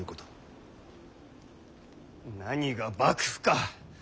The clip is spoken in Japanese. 何が幕府か！